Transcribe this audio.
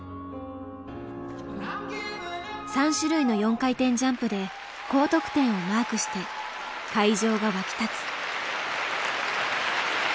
３種類の４回転ジャンプで高得点をマークして会場が沸き立つ。